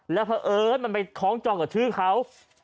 แล้วพอเอิ้นมันไปค้องจองกับชื่อเขา